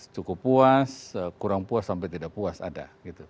cukup puas kurang puas sampai tidak puas ada